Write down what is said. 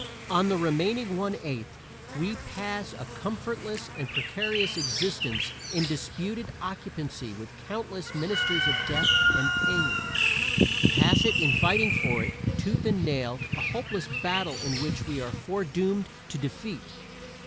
On the remaining one eighth we pass a comfortless and precarious existence in disputed occupancy with countless ministers of death and pain pass it in fighting for it, tooth and nail, a hopeless battle in which we are foredoomed to defeat.